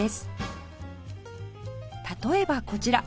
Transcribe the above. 例えばこちら